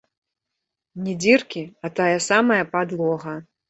Не дзіркі, а тая самая падлога!